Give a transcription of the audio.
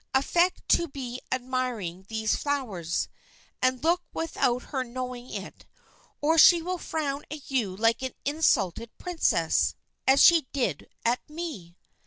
Affect to be admiring these flowers, and look without her knowing it, or she will frown at you like an insulted princess, as she did at me."